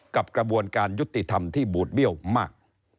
กระบวนการยุติธรรมที่บูดเบี้ยวมาก